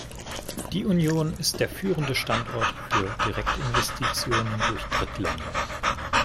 Die Union ist der führende Standort für Direktinvestitionen durch Drittländer.